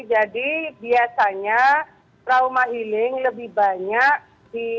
jadi biasanya trauma healing lebih banyak